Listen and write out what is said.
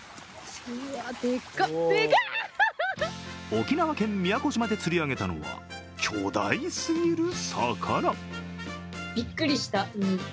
沖縄県宮古島で釣り上げたのは巨大すぎる魚。